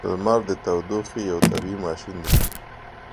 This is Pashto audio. • لمر د تودوخې یو طبیعی ماشین دی.